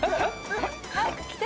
早く着て。